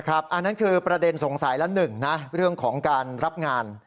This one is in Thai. อันนั้นคือประเด็นสงสัยละหนึ่งนะเรื่องของการรับงาน